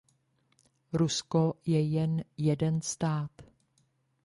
Rusko je jen jeden stát.